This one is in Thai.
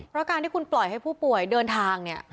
เพราะการที่คุณปล่อยให้ผู้ป่วยเดินทางเนี่ย